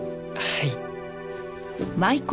はい。